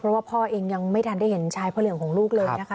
เพราะว่าพ่อเองยังไม่ทันได้เห็นชายพระเหลืองของลูกเลยนะคะ